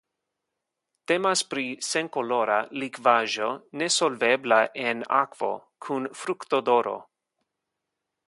Temas pri senkolora likvaĵo nesolvebla en akvo kun fruktodoro.